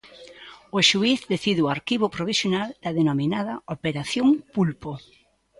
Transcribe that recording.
O xuíz decide o arquivo provisional da denominada "Operación Pulpo".